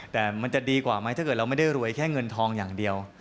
แต่มันจะดีกว่าไหมถ้าเกิดเราไม่ได้รวยแค่เงินทองอย่างเดียว